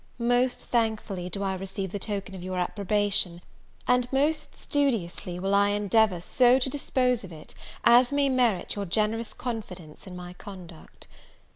Most thankfully do I receive the token of your approbation, and most studiously will I endeavour so to dispose of it, as may merit your generous confidence in my conduct.